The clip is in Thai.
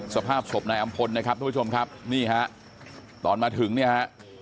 สภาพศพนายอำพลนะครับทุกผู้ชมครับนี่ฮะตอนมาถึงเนี่ยฮะ